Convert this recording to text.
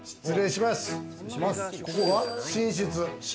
ここが寝室。